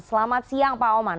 selamat siang pak oman